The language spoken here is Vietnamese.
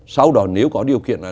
sau đó nếu có điều kiện